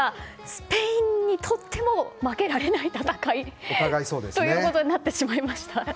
スペインにとっても負けられない戦いということになってしまいました。